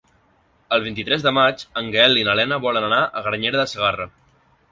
El vint-i-tres de maig en Gaël i na Lena volen anar a Granyena de Segarra.